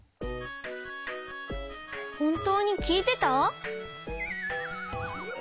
ほんとうにきいてた？